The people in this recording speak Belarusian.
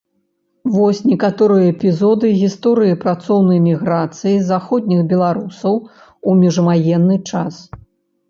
Вось некаторыя эпізоды гісторыі працоўнай міграцыі заходніх беларусаў у міжваенны час.